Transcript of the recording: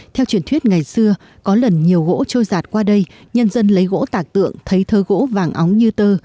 theo truyền thuyết ngày xưa có lần nhiều gỗ trôi giạt qua đây nhân dân lấy gỗ tạc tượng thấy thơ gỗ vàng óng như tơ